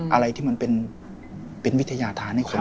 อะไรที่มันเป็นเป็นวิทยาธารให้คนอ่ะ